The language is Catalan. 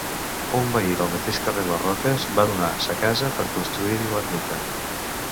Un veí del mateix carrer Les Roques va donar sa casa per construir-hi l'ermita.